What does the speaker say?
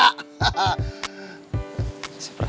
sepresen gak luar biasa